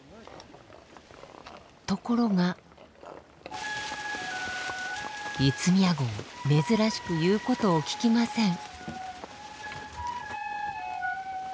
ところが五宮号珍しく言うことを聞きません。